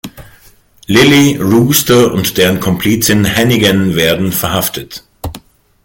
Lily, Rooster und deren Komplizin Hannigan werden verhaftet.